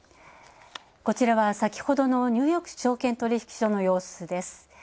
こちらは先ほどのニューヨーク証券取引所の様子です。